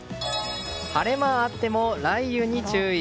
晴れ間あっても雷雨に注意。